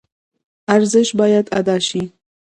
ارزش باید ادا شي.